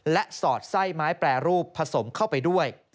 และสอดไส้ไม้แปรรูปผสมเข้าไปด้วย